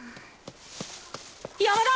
山田！